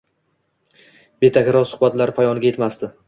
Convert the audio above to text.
Betakror suhbatlar poyoniga etmasdi